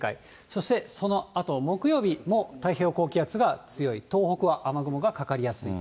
そしてそのあと、木曜日も太平洋高気圧が強い、東北は雨雲がかかりやすい。